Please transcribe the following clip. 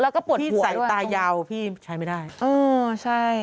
แล้วก็ปวดหัวพี่ใส่ตายาวพี่ใช้ไม่ได้